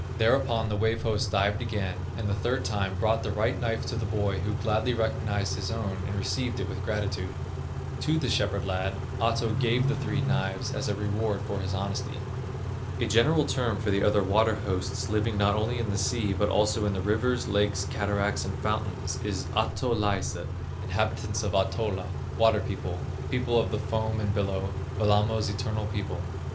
Thereupon the Wave host dived again, and the third time brought the right knife to the boy who gladly recognized his own, and received it with gratitude. To the shepherd lad Ahto gave the three knives as a reward for his honesty. A general term for the other water hosts living not only in the sea, but also in the rivers, lakes, cataracts, and fountains, is Ahtolaiset (inhabitants of Ahtola), "Water people," "People of the Foam and Billow," "Wellamo's Eternal People."